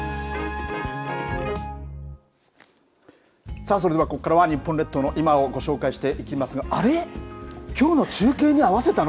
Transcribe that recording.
さあ、それではここからは日本列島の今をご紹介していきますが、あれ、きょうの中継に合わせたの？